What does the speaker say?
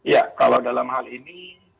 ya kalau dalam hal ini